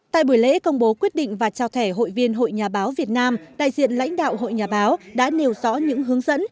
tại buổi lễ công bố quyết định và trao thẻ hội viên hội nhà báo việt nam đại diện lãnh đạo hội nhà báo đã nêu rõ những hướng dẫn